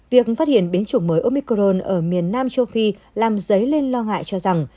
việc phát hiện biến chủng mới omicron ở miền nam châu phi làm dấy lên lo ngại cho rằng